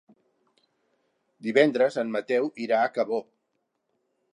Divendres en Mateu irà a Cabó.